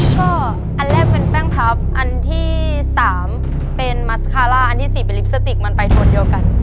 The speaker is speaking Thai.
ก็อันแรกเป็นแป้งพับอันที่สามเป็นอันที่สี่เป็นมันไปตรงเดียวกัน